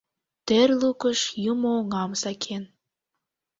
Тӧр лукыш юмоҥам сакен.